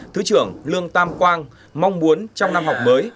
thứ trưởng lương tam quang mong muốn trong năm học mới